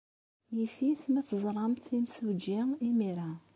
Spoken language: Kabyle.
Yif-it ma teẓramt imsujji imir-a.